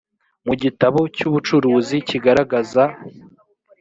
mu gitabo cy ubucuruzi kigaragaza